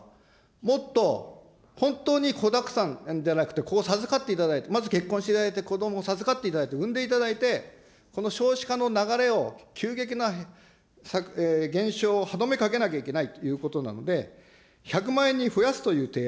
もっと、本当に子だくさん、じゃなくて、子を授かっていただいて、まず結婚していただいて、こども授かっていただいて、産んでいただいて、この少子化の流れを急激な減少を歯止めかけなきゃいけないということなので、１００万円に増やすという提案。